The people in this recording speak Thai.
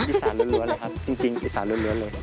อีสานล้วนเลยครับจริงอีสานล้วนเลย